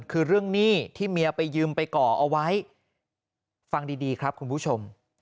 คือเรื่องหนี้ที่เมียไปยืมไปก่อเอาไว้ฟังดีครับคุณผู้ชม